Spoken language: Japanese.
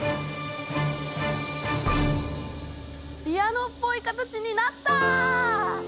ピアノっぽい形になった！